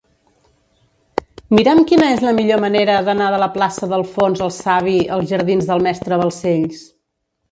Mira'm quina és la millor manera d'anar de la plaça d'Alfons el Savi als jardins del Mestre Balcells.